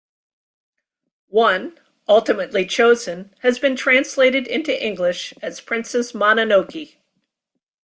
One, ultimately chosen, has been translated into English as "Princess Mononoke".